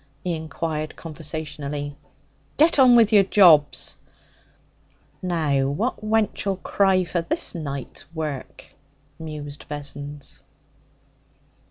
he inquired conversationally. 'Get on with your jobs!' 'Now, what wench'll cry for this night's work?' mused Vessons.